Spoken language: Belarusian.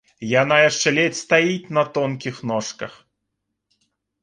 Яна яшчэ ледзь стаіць на тонкіх ножках.